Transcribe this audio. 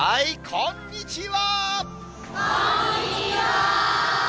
こんにちは。